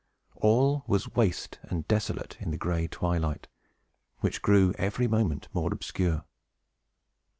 All was waste and desolate, in the gray twilight, which grew every moment more obscure.